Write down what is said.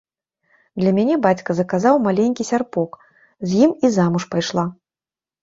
Для мяне бацька заказаў маленькі сярпок, з ім і замуж пайшла.